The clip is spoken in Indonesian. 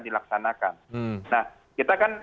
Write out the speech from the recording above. dilaksanakan nah kita kan